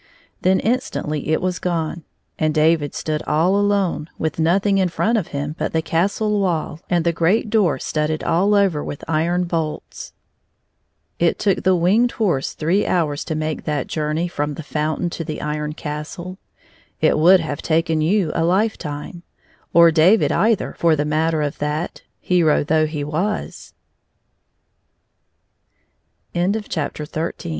Then instantly it was gone, and David stood all alone, with noth ing in front of him but the castle wall and the great door studded all over with iron bolts. 137 It took the Winged Horse three hours to make that journey from the fountam to the Iron Castle : it would have taken you a life time — or David either, for the matter of that,